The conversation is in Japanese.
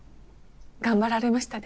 頑張られましたね。